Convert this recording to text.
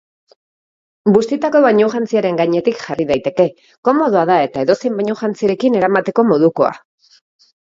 Bustitako bainujantziaren gainetik jarri daiteke, komodoa da eta edozein bainujantzirekin eramateko modukoa.